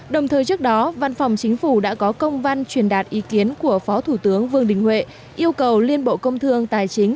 đồng thời trước đó văn phòng chính phủ đã có công văn truyền đạt ý kiến của phó thủ tướng vương đình huệ yêu cầu liên bộ công thương tài chính